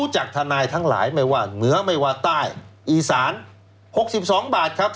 จากทนายทั้งหลายไม่ว่าเหนือไม่ว่าใต้อีสาน๖๒บาทครับ